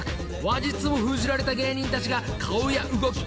［話術を封じられた芸人たちが顔や動き。